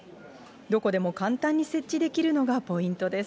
どこでも簡単に設置できるのがポイントです。